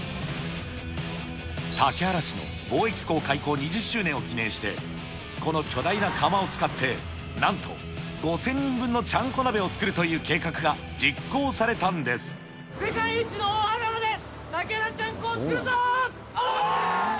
竹原市の貿易港開港２０周年を記念して、この巨大な釜を使って、なんと５０００人分のちゃんこ鍋を作るという計画が実行されたん世界一の大羽釜で、竹原ちゃおー！